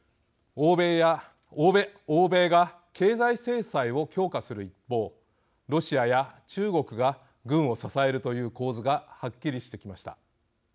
欧米が経済制裁を強化する一方ロシアや中国が軍を支えるという構図がはっきりしてきました。